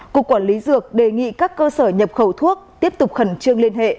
cục quản lý dược đề nghị các cơ sở nhập khẩu thuốc tiếp tục khẩn trương liên hệ